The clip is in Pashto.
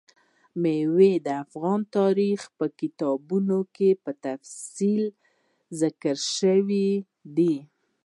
مېوې د افغان تاریخ په کتابونو کې په تفصیل ذکر شوي دي.